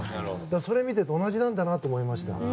それを見ていて同じなんだなと思いました。